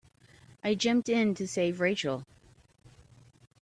I jumped in to save Rachel.